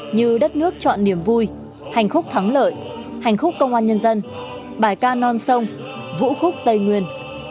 như đất nước chọn niềm vui hạnh phúc thắng lợi hành khúc công an nhân dân bài ca non sông vũ khúc tây nguyên